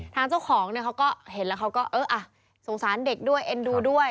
ทางเจ้าของเนี่ยเขาก็เห็นแล้วเขาก็เออสงสารเด็กด้วยเอ็นดูด้วย